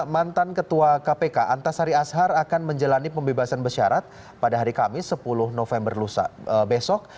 mantan ketua kpk antasari ashar akan menjalani pembebasan bersyarat pada hari kamis sepuluh november besok